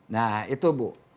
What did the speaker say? nah itu bu